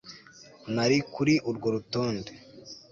Nari kuri urwo rutonde